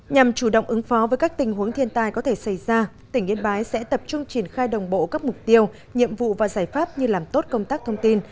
nhằm chủ động ứng phó với các tình huống thiên tai có thể xảy ra tỉnh yên bái sẽ tập trung triển khai đồng bộ các mục tiêu nhiệm vụ và giải pháp như làm tốt công tác thông tin